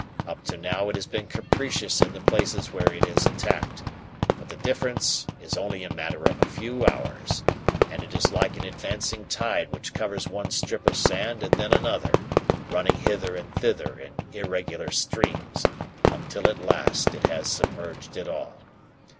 Up to now it has been capricious in the places which it has attacked, but the difference is only a matter of a few hours, and it is like an advancing tide which covers one strip of sand and then another, running hither and thither in irregular streams, until at last it has submerged it all.